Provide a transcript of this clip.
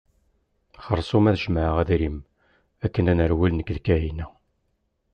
Xerṣum ad jemɛeɣ adrim akken ad nerwel nekk d Kahina.